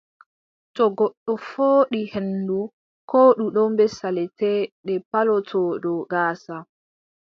To goɗɗo fooɗi henndu, koo ndu ɗon bee salte, ɗe palotoo dow gaasa.